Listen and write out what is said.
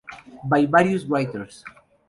By various writers.